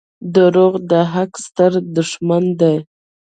• دروغ د حق ستر دښمن دي.